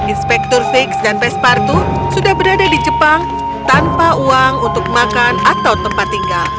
inspektur fix dan pespartu sudah berada di jepang tanpa uang untuk makan atau tempat tinggal